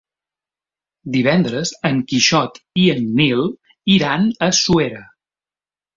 Divendres en Quixot i en Nil iran a Suera.